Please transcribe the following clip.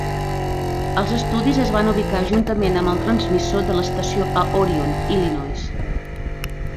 Els estudis es van ubicar juntament amb el transmissor de l'estació a Orion (Illinois).